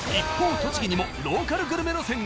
栃木にもローカルグルメ路線が。